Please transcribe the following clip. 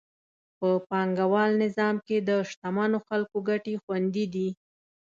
په پانګوال نظام کې د شتمنو خلکو ګټې خوندي دي.